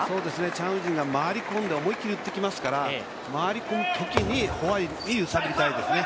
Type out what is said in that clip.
チャン・ウジンが回り込んで思い切り打ってきますから回り込むときにフォアヘ揺さぶりたいですね。